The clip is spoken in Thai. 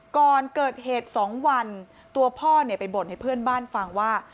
ก่อนเกิดเหตุ๒วันตัวพ่อไปบ่นให้เพื่อนบ้านฟังว่า